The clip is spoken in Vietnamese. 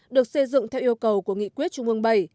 được xây dựng theo yêu cầu của nghị quyết trung ương bảy